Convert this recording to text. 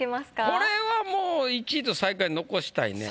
これはもう１位と最下位残したいね。